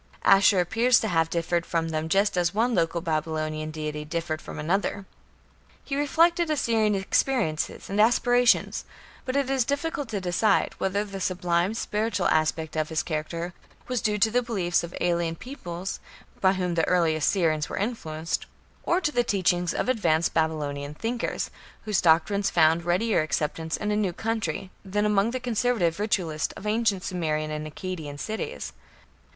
Ashur appears to have differed from them just as one local Babylonian deity differed from another. He reflected Assyrian experiences and aspirations, but it is difficult to decide whether the sublime spiritual aspect of his character was due to the beliefs of alien peoples, by whom the early Assyrians were influenced, or to the teachings of advanced Babylonian thinkers, whose doctrines found readier acceptance in a "new country" than among the conservative ritualists of ancient Sumerian and Akkadian cities.